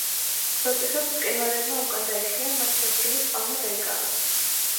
როდესაც მყინვარებმა უკან დაიხია, მათი ადგილი წყალმა დაიკავა.